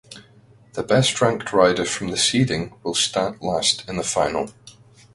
The best ranked rider from the seeding will start last in the final.